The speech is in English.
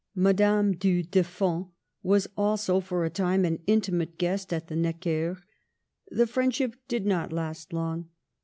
Madame Du Deffand was also for a time an intimate guest at the NeckersV The friendship did not last long.